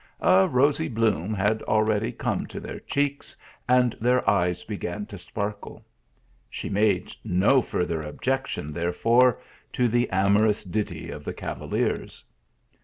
A rosy bloom had already come to their cheeks, and their eyes began to sparkle. She made no farther objection, therefore, to the amorous ditty of the cavaliers.